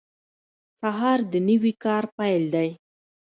سهار د نوي کار پیل دی.